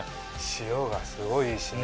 塩がすごいいいしね